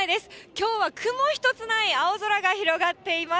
きょうは雲一つない青空が広がっています。